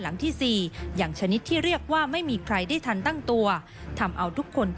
หลังที่๔แบบแม่งผมนั้น